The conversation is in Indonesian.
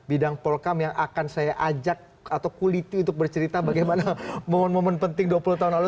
bidang polkam yang akan saya ajak atau kuliti untuk bercerita bagaimana momen momen penting dua puluh tahun lalu